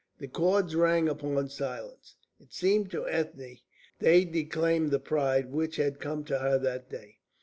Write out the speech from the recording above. The chords rang upon silence. It seemed to Ethne that they declaimed the pride which had come to her that day.